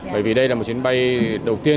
bởi vì đây là một chuyến bay đầu tiên